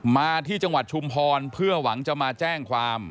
มาที่จังหวัดชุมพรเพื่อหวังจะมาแจ้งความ